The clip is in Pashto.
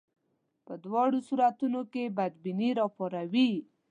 په دواړو صورتونو کې بدبیني راپاروي.